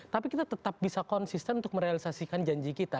tapi kita tetap bisa konsisten untuk merealisasikan janji kita